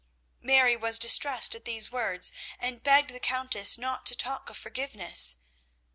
Mary was distressed at these words, and begged the Countess not to talk of forgiveness.